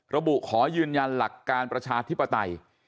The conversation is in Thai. ระบุขอยืนยันหลักการประชาธิปไตย